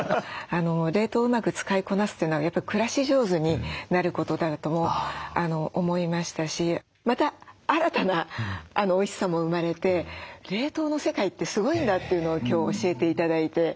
冷凍をうまく使いこなすというのがやっぱり暮らし上手になることだと思いましたしまた新たなおいしさも生まれて冷凍の世界ってすごいんだというのを今日教えて頂いて。